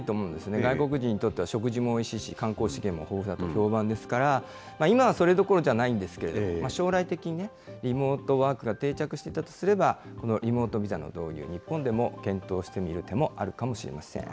外国人にとっては食事もおいしいし、観光資源も豊富だと評判ですから、今はそれどころじゃないんですけども、将来的にね、リモートワークが定着していたとすれば、このリモートビザの導入、日本でも検討してみる手もあるかもしれません。